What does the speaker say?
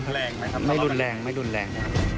ก็ประมาณนั้นครับไม่รุนแรง